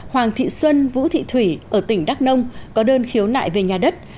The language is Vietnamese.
hoàng thị xuân vũ thị thủy ở tỉnh đắk nông có đơn khiếu nại về nhà đất